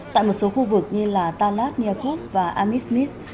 tại một số khu vực như talat niacos và amismis